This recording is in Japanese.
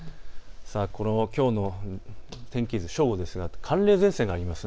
このきょうの天気図、正午ですが寒冷前線があります。